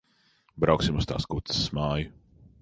Brauksim uz tās kuces māju.